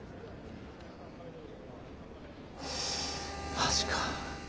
マジか。